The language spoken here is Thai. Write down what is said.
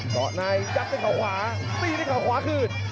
เกาะในยัดด้วยเขาขวาตีด้วยเขาขวาคืน